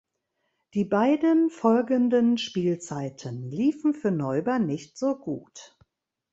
Die beiden folgenden Spielzeiten liefen für Neuber nicht so gut.